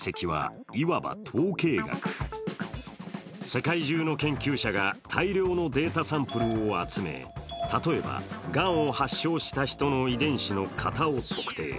世界中の研究者が大量のデータサンプルを集め、例えば、がんを発症した人の遺伝子の型を特定。